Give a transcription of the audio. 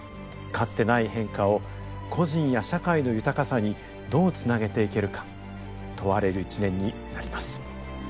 かつてない変化を個人や社会の豊かさにどうつなげていけるか問われる１年になります。